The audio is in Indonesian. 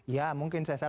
ya mungkin saya selalu